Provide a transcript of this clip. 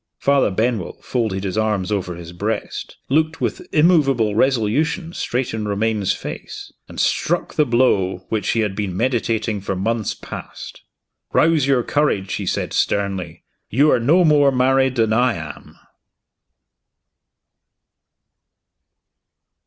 Father Benwell folded his arms over his breast looked with immovable resolution straight in Romayne's face and struck the blow which he had been meditating for months past. "Rouse your courage," he said sternly. "You are no more married than I am."